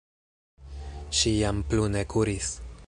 Ŝi jam plu ne kuris.